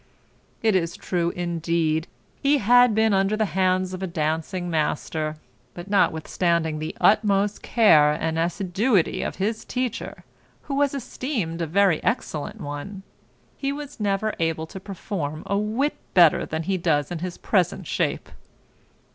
It is true, indeed, he had been under the hands of a dancing master; but notwithstanding the utmost care and assiduity of his teacher, who was esteemed a very excellent one; he was never able to perform a whit better than he does in his present shape.